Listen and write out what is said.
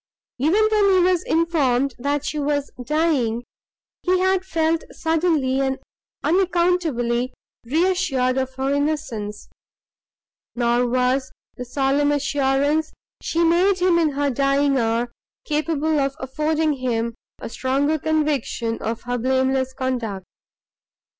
Even when he was informed, that she was dying, he had felt suddenly and unaccountably reassured of her innocence, nor was the solemn assurance she made him in her last hour, capable of affording him a stronger conviction of her blameless conduct.